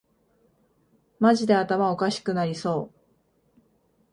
マジで頭おかしくなりそう